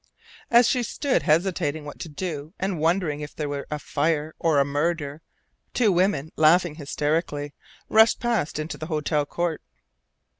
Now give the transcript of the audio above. As she stood hesitating what to do and wondering if there were a fire or a murder, two women, laughing hysterically, rushed past into the hotel court.